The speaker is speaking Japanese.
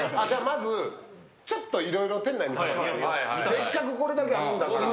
せっかくこれだけあるんだから。